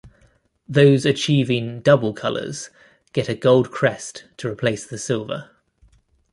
Those achieving "double colours" get a gold crest to replace the silver.